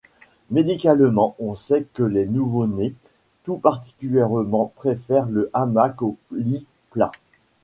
Médicalement on sait que les nouveau-nés, tout particulièrement, préfèrent le hamac au lit plat.